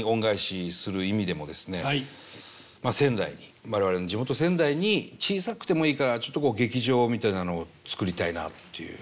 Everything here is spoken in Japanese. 仙台に我々の地元仙台に小さくてもいいからちょっとこう劇場みたいなのを作りたいなっていう。